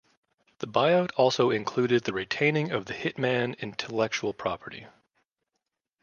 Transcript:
The buyout also included the retaining of the "Hitman" intellectual property.